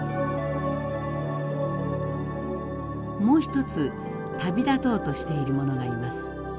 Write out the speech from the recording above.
もう一つ旅立とうとしているものがいます。